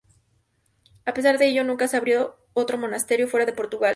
A pesar de ello, nunca se abrió otro monasterio fuera de Portugal.